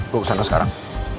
gue usah ke sekarang